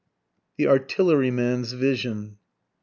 THE ARTILLERYMAN'S VISION.